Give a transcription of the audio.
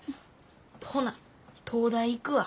ほな東大行くわ。